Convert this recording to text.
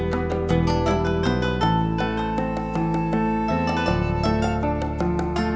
kita sampai sampai ya